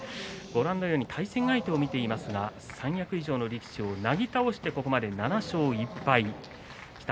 ご覧のように対戦相手を見ていますが三役以上の力士をなぎ倒してここまで７勝１敗。